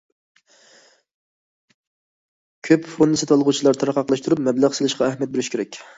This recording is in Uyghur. كۆپ فوند سېتىۋالغۇچىلار تارقاقلاشتۇرۇپ مەبلەغ سېلىشقا ئەھمىيەت بېرىشى كېرەك.